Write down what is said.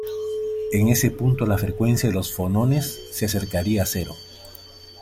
En ese punto la frecuencia de los fonones se acercaría a cero.